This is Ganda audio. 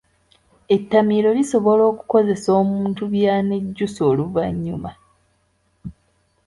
Ettamiiro lisobola okukozesa omuntu by’anejjusa oluvannyuma.